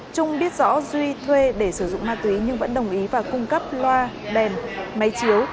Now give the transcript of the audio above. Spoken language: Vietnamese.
trung biết rõ duy thuê để sử dụng ma túy nhưng vẫn đồng ý và cung cấp loa đèn máy chiếu